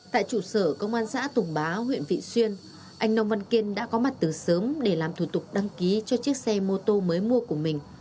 tại trụ sở công an xã tùng bá huyện vị xuyên anh nông văn kiên đã có mặt từ sớm để làm thủ tục đăng ký cho chiếc xe mô tô mới mua của mình